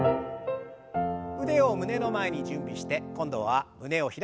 腕を胸の前に準備して今度は胸を開く運動です。